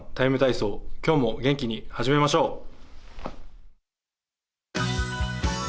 体操」、今日も元気に始めましょう。